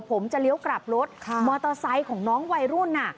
ผมจะเลี้ยวกลับรถมอเตอร์ไซค์ของน้องวัยรุ่นน่ะ